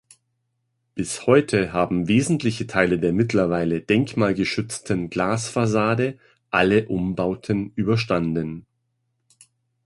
Bis heute haben wesentliche Teile der mittlerweile denkmalgeschützten Glasfassade alle Umbauten überstanden.